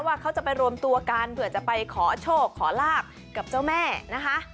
ว่าเขาจะไปรวมตัวกันเผื่อจะไปขอโชคขอลาบกับเจ้าแม่นะคะ